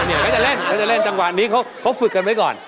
เออเขาจะเล่นจังหวะนี้เขาฝึกกันไว้ก่อน